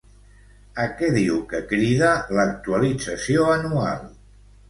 A què diu que crida l'actualització anual?